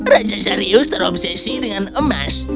raja charrius terobsesi dengan emas